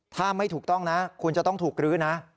ถ้าไม่ถูกต้องนะคุณจะต้องถูกรื้อนะ